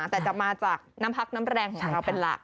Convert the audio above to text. แต่จะมาจากน้ำพักน้ำแรงของเราเป็นหลัก